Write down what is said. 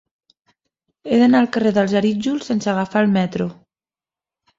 He d'anar al carrer dels Arítjols sense agafar el metro.